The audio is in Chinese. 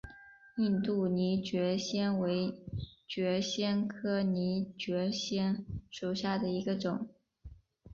印度拟蕨藓为蕨藓科拟蕨藓属下的一个种。